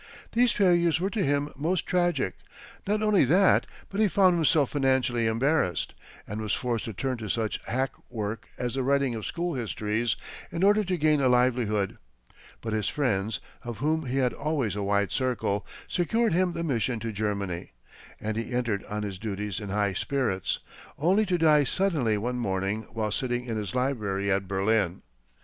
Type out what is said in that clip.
These failures were to him most tragic; not only that, but he found himself financially embarrassed, and was forced to turn to such hack work as the writing of school histories in order to gain a livelihood. But his friends, of whom he had always a wide circle, secured him the mission to Germany, and he entered on his duties in high spirits only to die suddenly one morning while sitting in his library at Berlin.